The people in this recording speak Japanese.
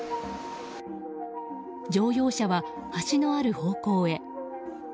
乗用車は橋のある方向へ。